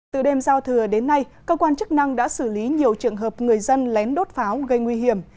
từ đêm giao thừa đến nay cơ quan chức năng đã xử lý nhiều trường hợp người dân lén đốt pháo gây nguy hiểm